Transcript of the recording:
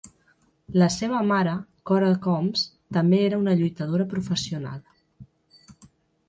La seva mare, Cora Combs, també era una lluitadora professional.